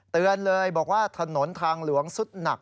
เตือนเลยบอกว่าถนนทางหลวงสุดหนัก